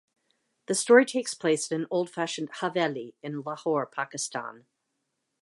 The story takes place in an old-fashioned "haveli" in Lahore, Pakistan.